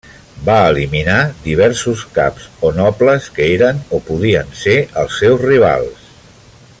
Va eliminar diversos caps o nobles que eren o podien ser els seus rivals.